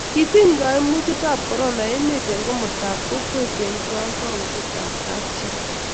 kitiny kaimutietab korona emet eng' komostab kokwet eng' kakwoutietab kapchii